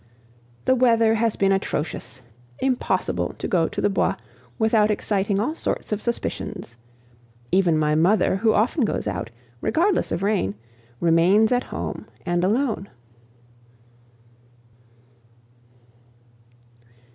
The weather has been atrocious; impossible to go to the Bois without exciting all sorts of suspicions. Even my mother, who often goes out, regardless of rain, remains at home, and alone.